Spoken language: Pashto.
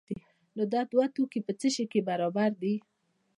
نو دا دوه توکي په څه شي کې برابر دي؟